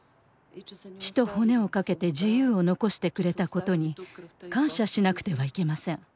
血と骨をかけて自由を残してくれたことに感謝しなくてはいけません。